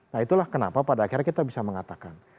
nah itulah kenapa pada akhirnya kita bisa mengatakan